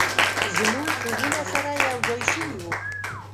زموږ خوبونه سره یو ځای شوي و،